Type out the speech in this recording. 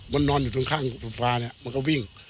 มันนอนอยู่ตรงข้างฟ้ามันก็วิ่ง